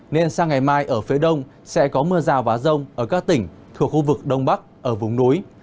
nên sang ngày mai ở phía đông sẽ có mưa rào và rông ở các tỉnh thuộc khu vực đông bắc ở vùng núi